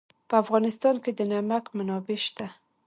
په افغانستان کې د نمک منابع شته.